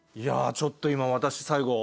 ちょっと今私最後。